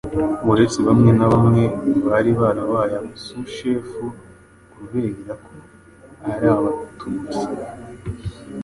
uretse bamwe na bamwe bari barabaye abasushefu kubera ko ari Abatutsi)